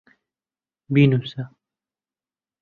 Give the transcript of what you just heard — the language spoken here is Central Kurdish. بینووسە.